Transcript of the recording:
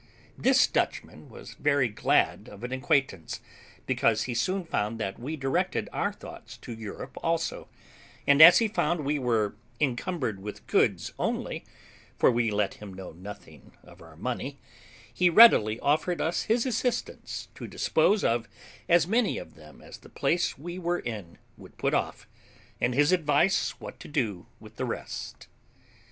This Dutchman was very glad of an acquaintance, because he soon found that we directed our thoughts to Europe also; and as he found we were encumbered with goods only (for we let him know nothing of our money), he readily offered us his assistance to dispose of as many of them as the place we were in would put off, and his advice what to do with the rest.